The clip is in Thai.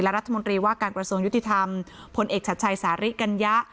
รัฐมนตรีว่าการกระทรวงยุติธรรมพลเอกชัดชัยสาริกัญญะ